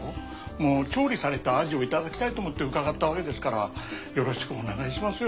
もう調理されたアジをいただきたいと思って伺ったわけですからよろしくお願いしますよ。